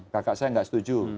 kakak saya nggak setuju